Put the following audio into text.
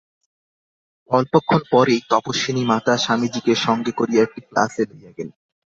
অল্পক্ষণ পরেই তপস্বিনী মাতা স্বামীজীকে সঙ্গে করিয়া একটি ক্লাসে লইয়া গেলেন।